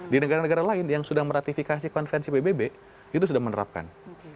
di negara negara lain yang sudah meratifikasi konvensi pbb itu sudah menerapkan